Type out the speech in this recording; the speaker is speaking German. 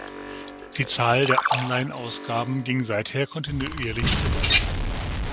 Die Zahl der Online-Ausgaben ging seither kontinuierlich zurück.